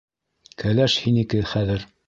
— Кәләш һинеке хәҙер!